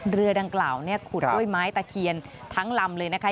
เรือดังกล่าวเนี่ยขุดด้วยไม้ตะเคียนทั้งลำเลยนะคะ